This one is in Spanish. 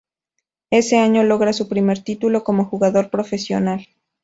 Ese año logra su primer título como jugador profesional.